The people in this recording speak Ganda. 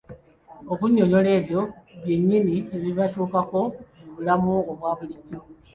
Okunnyonnyola ebyo byennyini ebibatuukako mu bulamu obwa bulijjo.